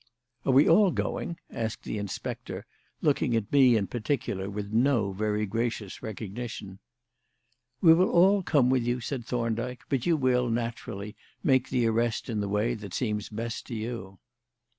"Are we all going?" asked the inspector, looking at me in particular with no very gracious recognition. "We will all come with you," said Thorndyke; "but you will, naturally, make the arrest in the way that seems best to you."